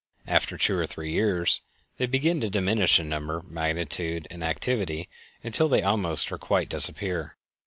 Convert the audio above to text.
After two or three years they begin to diminish in number, magnitude, and activity until they almost or quite disappear.